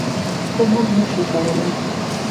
خو موږ نشو کولی.